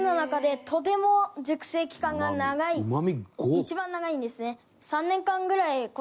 一番長いんですね。